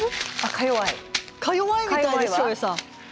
かよわいみたいです照英さん。